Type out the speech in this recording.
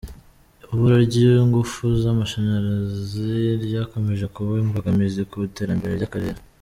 Ibura ry’Ingufu z’amasharazi ryakomeje kuba imbogamizi ku iterambere ry’akarere.